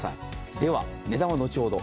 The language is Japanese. では、値段は後ほど。